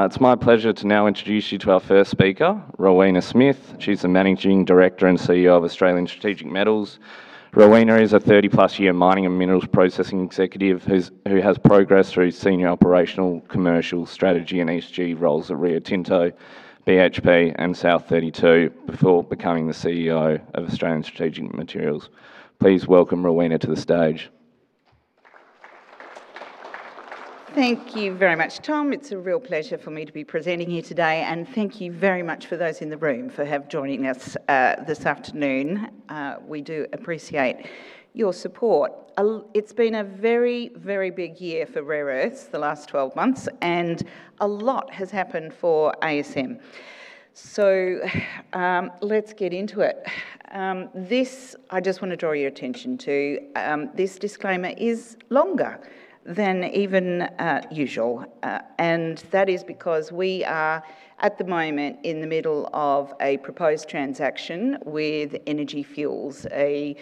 It's my pleasure to now introduce you to our first speaker, Rowena Smith. She's the Managing Director and CEO of Australian Strategic Materials. Rowena is a 30+ year mining and minerals processing executive who has progressed through senior operational, commercial, strategy, and ESG roles at Rio Tinto, BHP, and South32 before becoming the CEO of Australian Strategic Materials. Please welcome Rowena to the stage. Thank you very much, Tom. It's a real pleasure for me to be presenting here today, and thank you very much for those in the room for joining us this afternoon. We do appreciate your support. It's been a very big year for rare earths, the last 12 months, and a lot has happened for ASM. Let's get into it. I just want to draw your attention to this disclaimer is longer than even usual, and that is because we are, at the moment, in the middle of a proposed transaction with Energy Fuels, a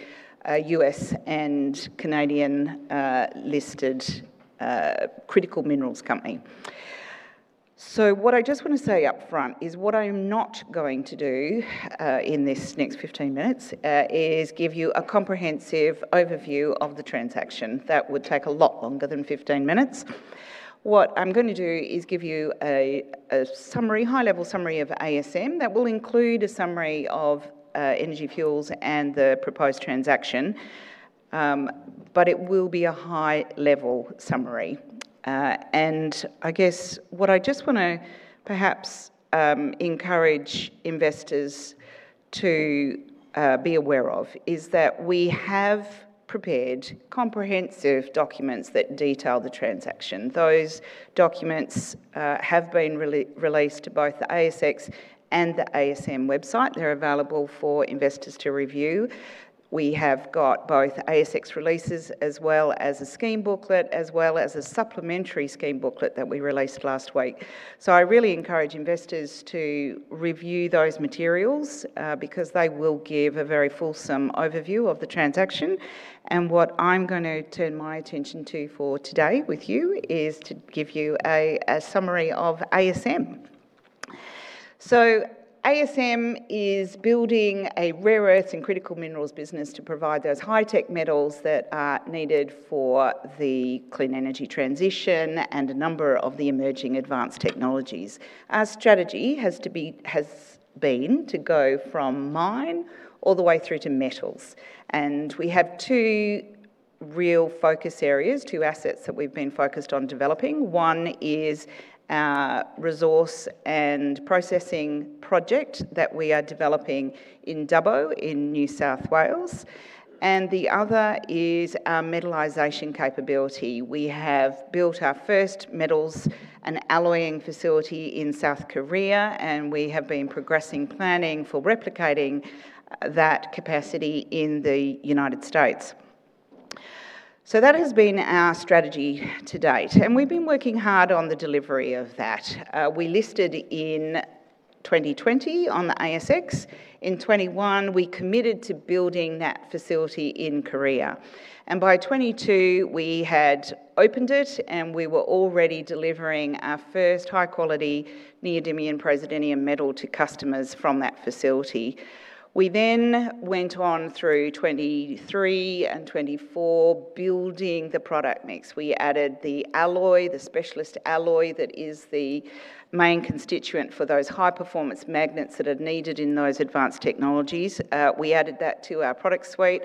U.S. and Canadian-listed critical minerals company. What I just want to say up front is what I'm not going to do in this next 15 minutes is give you a comprehensive overview of the transaction. That would take a lot longer than 15 minutes. What I'm going to do is give you a high-level summary of ASM that will include a summary of Energy Fuels and the proposed transaction, but it will be a high-level summary. I guess what I just want to perhaps encourage investors to be aware of is that we have prepared comprehensive documents that detail the transaction. Those documents have been released to both the ASX and the ASM website. They're available for investors to review. We have got both ASX releases as well as a scheme booklet, as well as a supplementary scheme booklet that we released last week. I really encourage investors to review those materials because they will give a very fulsome overview of the transaction. What I'm going to turn my attention to for today with you is to give you a summary of ASM. ASM is building a rare earths and critical minerals business to provide those high-tech metals that are needed for the clean energy transition and a number of the emerging advanced technologies. Our strategy has been to go from mine all the way through to metals, and we have two real focus areas, two assets that we've been focused on developing. One is our resource and processing project that we are developing in Dubbo in New South Wales, and the other is our metallization capability. We have built our first metals and alloying facility in South Korea, and we have been progressing planning for replicating that capacity in the United States. That has been our strategy to date, and we've been working hard on the delivery of that. We listed in 2020 on the ASX. In 2021, we committed to building that facility in Korea. By 2022, we had opened it, and we were already delivering our first high-quality neodymium praseodymium metal to customers from that facility. We went on through 2023 and 2024 building the product mix. We added the alloy, the specialist alloy that is the main constituent for those high-performance magnets that are needed in those advanced technologies. We added that to our product suite.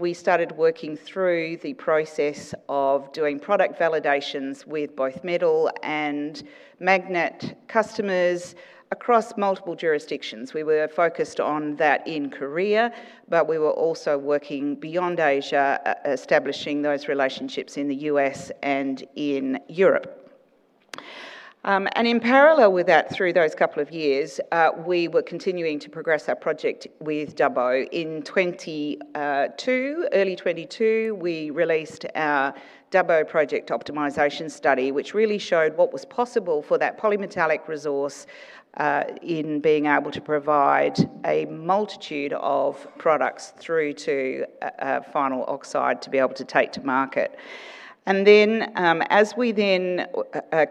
We started working through the process of doing product validations with both metal and magnet customers across multiple jurisdictions. We were focused on that in Korea, but we were also working beyond Asia, establishing those relationships in the U.S. and in Europe. In parallel with that, through those couple of years, we were continuing to progress our project with Dubbo. In early 2022, we released our Dubbo Project Optimization Study, which really showed what was possible for that polymetallic resource in being able to provide a multitude of products through to final oxide to be able to take to market. As we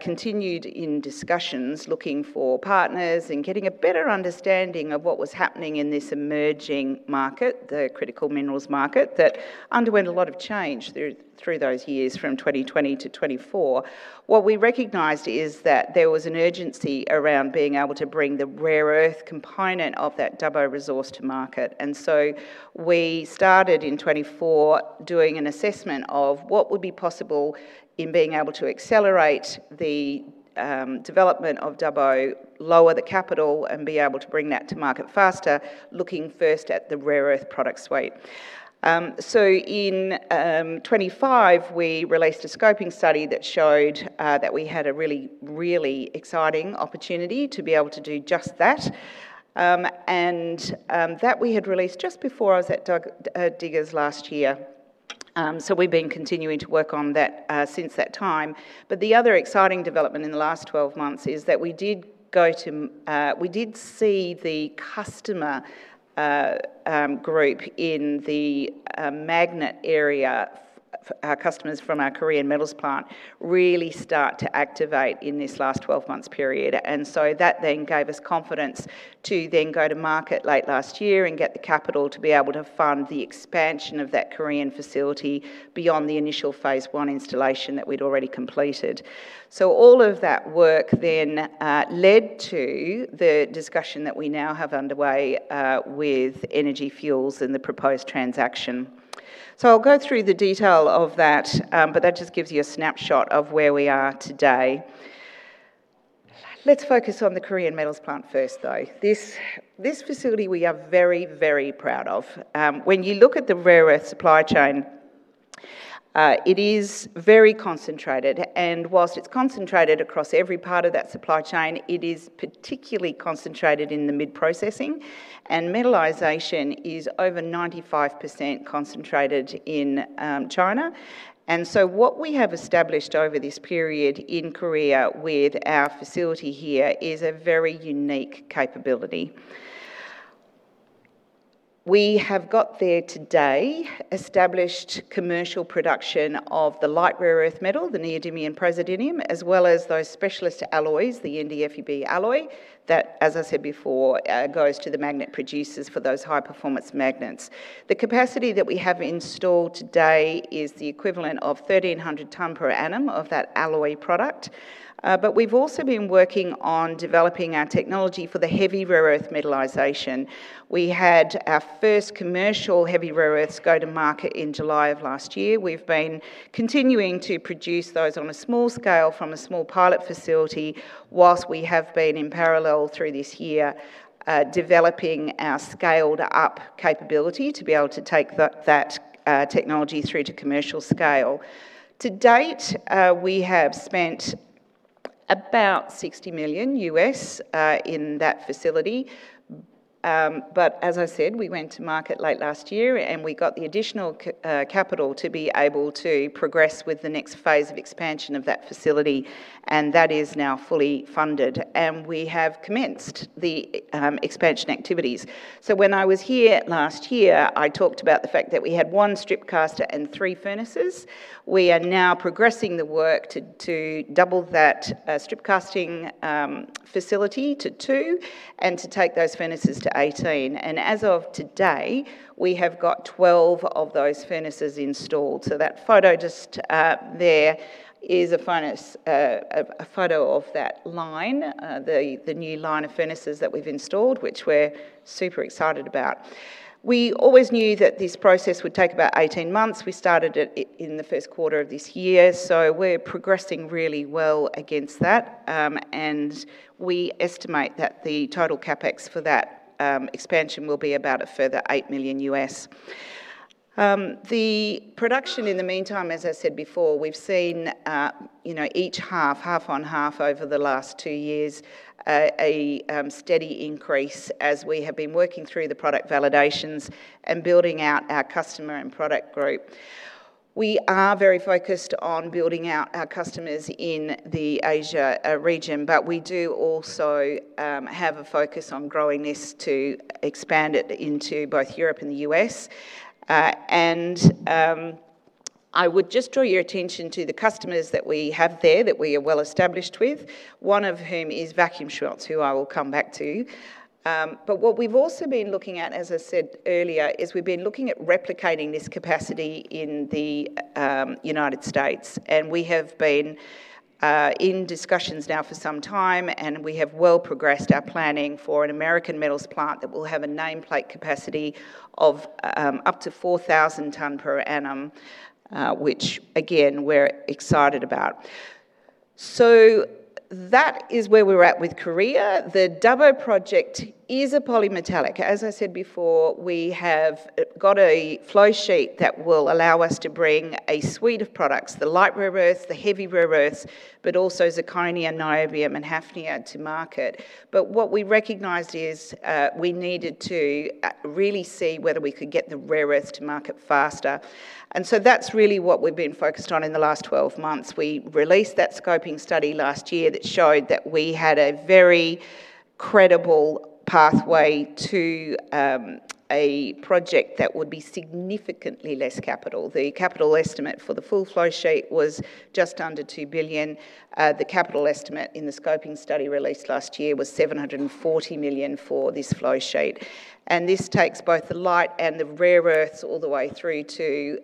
continued in discussions, looking for partners and getting a better understanding of what was happening in this emerging market, the critical minerals market, that underwent a lot of change through those years from 2020 to 2024. What we recognized is that there was an urgency around being able to bring the rare earth component of that Dubbo resource to market. We started in 2024 doing an assessment of what would be possible in being able to accelerate the development of Dubbo, lower the capital, and be able to bring that to market faster, looking first at the rare earth product suite. In 2025, we released a scoping study that showed that we had a really exciting opportunity to be able to do just that, and that we had released just before I was at Diggers last year. We've been continuing to work on that since that time. The other exciting development in the last 12 months is that we did see the customer group in the magnet area, our customers from our Korean Metals Plant, really start to activate in this last 12 months period. That gave us confidence to then go to market late last year and get the capital to be able to fund the expansion of that Korean facility beyond the initial phase 1 installation that we'd already completed. All of that work led to the discussion that we now have underway with Energy Fuels and the proposed transaction. I'll go through the detail of that, but that just gives you a snapshot of where we are today. Let's focus on the Korean Metals Plant first, though. This facility we are very, very proud of. When you look at the rare earth supply chain, it is very concentrated, and whilst it's concentrated across every part of that supply chain, it is particularly concentrated in the mid-processing, and metallization is over 95% concentrated in China. What we have established over this period in Korea with our facility here is a very unique capability. We have got there today established commercial production of the light rare earth metal, the neodymium and praseodymium, as well as those specialist alloys, the NdFeB alloy, that, as I said before, goes to the magnet producers for those high-performance magnets. The capacity that we have installed today is the equivalent of 1,300 tons per annum of that alloy product. We've also been working on developing our technology for the heavy rare earth metallization. We had our first commercial heavy rare earths go to market in July of last year. We've been continuing to produce those on a small scale from a small pilot facility whilst we have been in parallel through this year developing our scaled-up capability to be able to take that technology through to commercial scale. To date, we have spent about $60 million in that facility. As I said, we went to market late last year, and we got the additional capital to be able to progress with the next phase of expansion of that facility, and that is now fully funded. We have commenced the expansion activities. When I was here last year, I talked about the fact that we had one strip caster and three furnaces. We are now progressing the work to double that strip casting facility to two, and to take those furnaces to 18. As of today, we have got 12 of those furnaces installed. That photo just up there is a photo of that line, the new line of furnaces that we've installed, which we're super excited about. We always knew that this process would take about 18 months. We started it in the first quarter of this year, so we're progressing really well against that. We estimate that the total CapEx for that expansion will be about a further $8 million. The production in the meantime, as I said before, we've seen each half on half over the last two years, a steady increase as we have been working through the product validations and building out our customer and product group. We are very focused on building out our customers in the Asia region, but we do also have a focus on growing this to expand it into both Europe and the U.S. I would just draw your attention to the customers that we have there that we are well established with, one of whom is Vacuumschmelze, who I will come back to. What we've also been looking at, as I said earlier, is we've been looking at replicating this capacity in the United States. We have been in discussions now for some time, and we have well progressed our planning for an American Metals Plant that will have a nameplate capacity of up to 4,000 tons per annum, which again, we're excited about. That is where we're at with Korea. The Dubbo Project is a polymetallic. As I said before, we have got a flow sheet that will allow us to bring a suite of products, the light rare earths, the heavy rare earths, but also zirconium, niobium, and hafnium to market. What we recognized is we needed to really see whether we could get the rare earths to market faster. That's really what we've been focused on in the last 12 months. We released that scoping study last year that showed that we had a very credible pathway to a project that would be significantly less capital. The capital estimate for the full flow sheet was just under 2 billion. The capital estimate in the scoping study released last year was 740 million for this flow sheet. This takes both the light and the rare earths all the way through to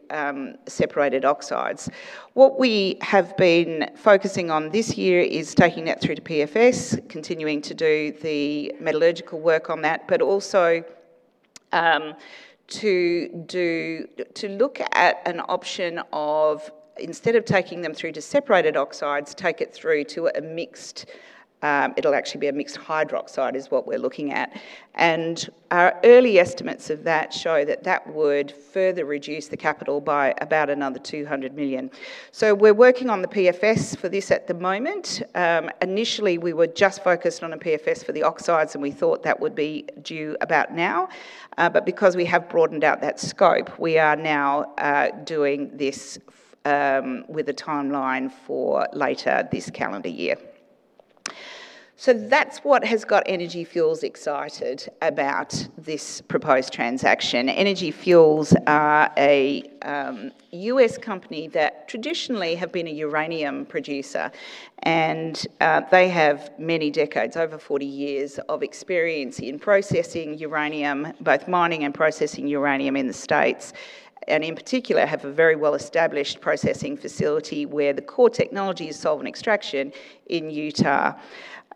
separated oxides. What we have been focusing on this year is taking that through to PFS, continuing to do the metallurgical work on that, but also to look at an option of, instead of taking them through to separated oxides, take it through to a mixed hydroxide is what we are looking at. Our early estimates of that show that that would further reduce the capital by about another 200 million. We are working on the PFS for this at the moment. Initially, we were just focused on a PFS for the oxides. We thought that would be due about now. Because we have broadened out that scope, we are now doing this with a timeline for later this calendar year. That's what has got Energy Fuels excited about this proposed transaction. Energy Fuels is a U.S. company that traditionally have been a uranium producer. They have many decades, over 40 years, of experience in processing uranium, both mining and processing uranium in the U.S., and in particular, have a very well-established processing facility where the core technology is solvent extraction in Utah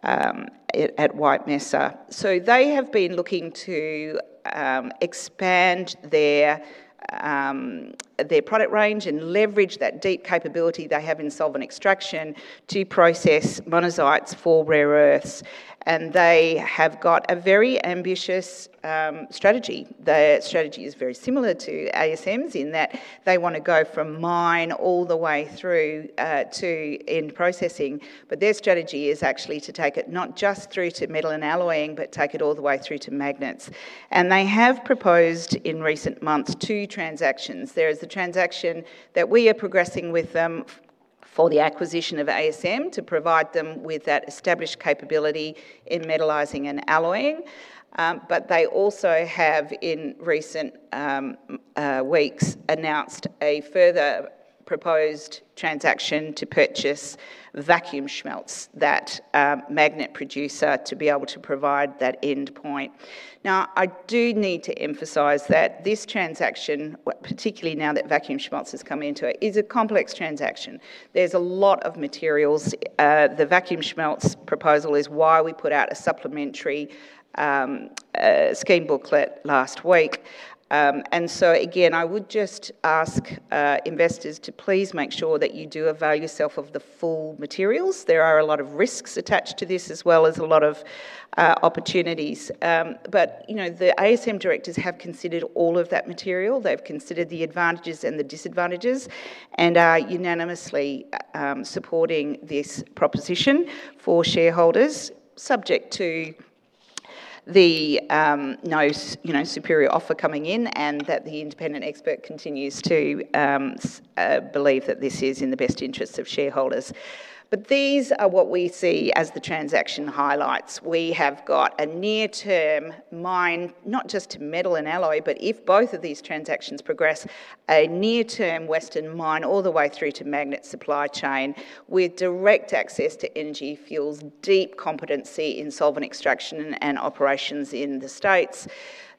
at White Mesa. They have been looking to expand their product range and leverage that deep capability they have in solvent extraction to process monazites for rare earths. They have got a very ambitious strategy. Their strategy is very similar to ASM's in that they want to go from mine all the way through to end processing. Their strategy is actually to take it not just through to metal and alloying, but take it all the way through to magnets. They have proposed in recent months two transactions. There is the transaction that we are progressing with them for the acquisition of ASM to provide them with that established capability in metallizing and alloying. They also have, in recent weeks, announced a further proposed transaction to purchase Vacuumschmelze, that magnet producer, to be able to provide that end point. I do need to emphasize that this transaction, particularly now that Vacuumschmelze has come into it, is a complex transaction. There is a lot of materials. The Vacuumschmelze proposal is why we put out a supplementary scheme booklet last week. Again, I would just ask investors to please make sure that you do avail yourself of the full materials. There are a lot of risks attached to this as well as a lot of opportunities. The ASM directors have considered all of that material. They have considered the advantages and the disadvantages and are unanimously supporting this proposition for shareholders, subject to no superior offer coming in and that the independent expert continues to believe that this is in the best interest of shareholders. These are what we see as the transaction highlights. We have got a near-term mine, not just to metal and alloy, but if both of these transactions progress, a near-term Western mine all the way through to magnet supply chain with direct access to Energy Fuels' deep competency in solvent extraction and operations in the States.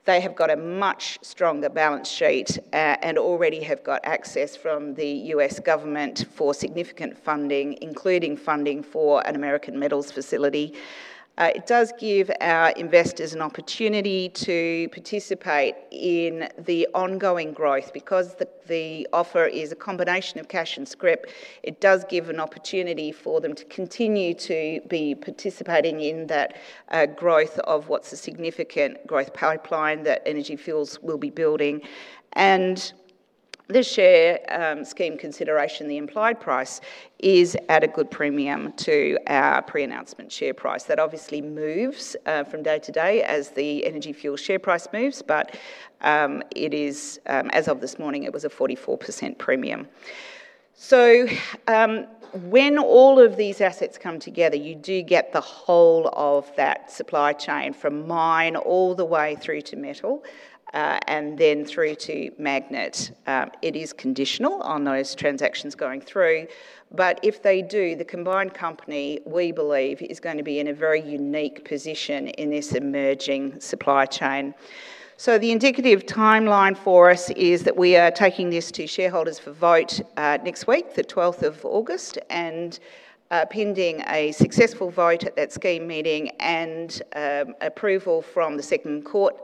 They have got a much stronger balance sheet and already have got access from the U.S. government for significant funding, including funding for an American Metals Facility. It does give our investors an opportunity to participate in the ongoing growth. Because the offer is a combination of cash and scrip, it does give an opportunity for them to continue to be participating in that growth of what's a significant growth pipeline that Energy Fuels will be building. The share scheme consideration, the implied price, is at a good premium to our pre-announcement share price. That obviously moves from day to day as the Energy Fuels share price moves, but as of this morning, it was a 44% premium. When all of these assets come together, you do get the whole of that supply chain from mine all the way through to metal, and then through to magnet. It is conditional on those transactions going through. If they do, the combined company, we believe, is going to be in a very unique position in this emerging supply chain. The indicative timeline for us is that we are taking this to shareholders for vote next week, the 12th of August. Pending a successful vote at that scheme meeting and approval from the second court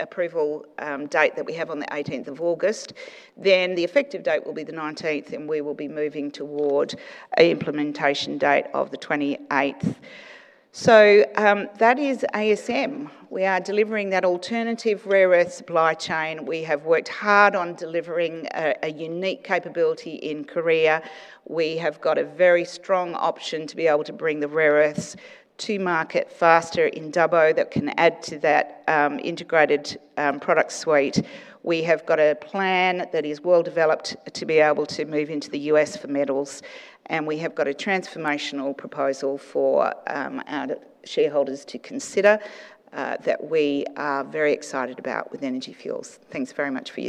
approval date that we have on the 18th of August, then the effective date will be the 19th, and we will be moving toward an implementation date of the 28th. That is ASM. We are delivering that alternative rare earth supply chain. We have worked hard on delivering a unique capability in Korea. We have got a very strong option to be able to bring the rare earths to market faster in Dubbo that can add to that integrated product suite. We have got a plan that is well-developed to be able to move into the U.S. for metals, and we have got a transformational proposal for our shareholders to consider that we are very excited about with Energy Fuels. Thanks very much for your time.